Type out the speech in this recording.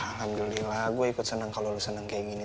alhamdulillah gue ikut senang kalau lo senang kayak gini